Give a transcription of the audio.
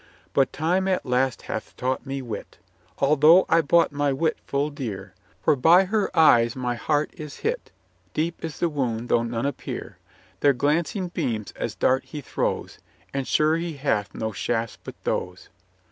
But time at last hath taught me wit, Although I bought my wit full dear ; For by her eyes my heart is hit. Deep is the wound, though none appear. 130 COLONEL GREATHEART Their glancing beams as darts he throws, And sure he hath no shafts but those.